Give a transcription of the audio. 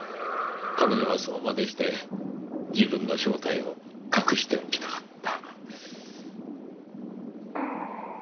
彼女はそうまでして自分の正体を隠しておきたかった。